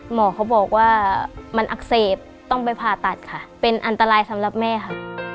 หมอเขาบอกว่ามันอักเสบต้องไปผ่าตัดค่ะเป็นอันตรายสำหรับแม่ค่ะ